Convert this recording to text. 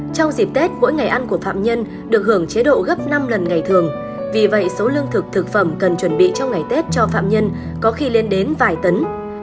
trong dịp tết mỗi ngày ăn của phạm nhân được hưởng chế độ gấp năm lần ngày thường vì vậy số lương thực thực phẩm cần chuẩn bị cho ngày tết cho phạm nhân có khi lên đến vài tấn